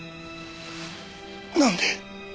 なんで？